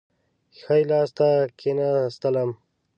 ښي لاس ته کښېنستلم.